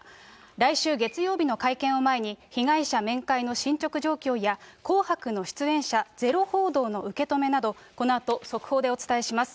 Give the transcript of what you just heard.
来週月曜日の会見を前に、被害者面会の進ちょく状況や、紅白の出演者ゼロ報道の受け止めなど、このあと速報でお伝えします。